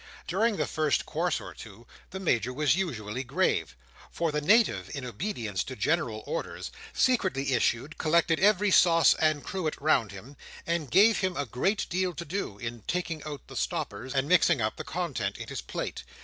During the first course or two, the Major was usually grave; for the Native, in obedience to general orders, secretly issued, collected every sauce and cruet round him, and gave him a great deal to do, in taking out the stoppers, and mixing up the contents in his plate.